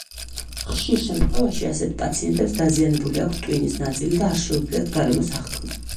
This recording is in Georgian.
ხშირ შემთხვევაში ასეთ პაციენტებს დაზიანებული აქვთ ტვინის ნაწილი და არ შეუძლიათ გარემოს აღქმა.